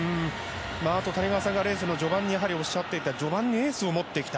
あと谷川さんがレース序盤におっしゃっていた序盤にエースを持ってきた。